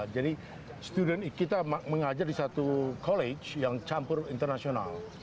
jadi student kita mengajar di satu college yang campur internasional